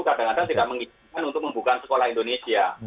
kadang kadang tidak mengizinkan untuk membuka sekolah indonesia